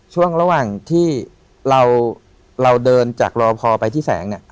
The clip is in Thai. ช่วงระหว่างที่เราเดินจากรอพอไปที่แสงเนี่ย